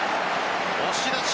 押し出し。